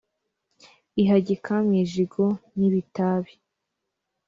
Ihagika mu ijigo nk'ibitabi,